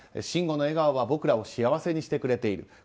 慎吾の笑顔は僕らを幸せにしてくれている。